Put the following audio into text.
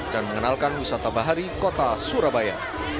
dan mengenalkan wisata bahari kota surabaya